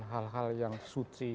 hal hal yang suci